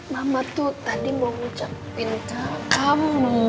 mama tuh tadi mau ngucapin kamu